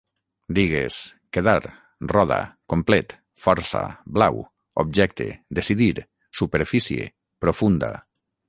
Digues: quedar, roda, complet, força, blau, objecte, decidir, superfície, profunda